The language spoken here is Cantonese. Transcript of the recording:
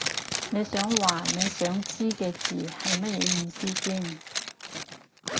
你想話你想知嘅字係乜嘢意思先